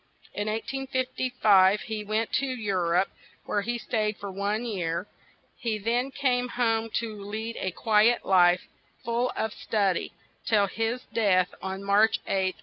In 1855 he went to Eu rope, where he stayed for one year; he then came home to lead a qui et life, full of stud y, till his death on March 8th, 1874.